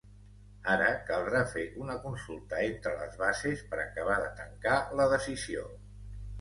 Ara caldrà fer una consulta entre les bases per acabar de tancar la decisió.